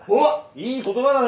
いい言葉だね。